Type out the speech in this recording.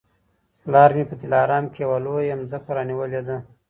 پلار مي په دلارام کي یوه لویه مځکه رانیولې ده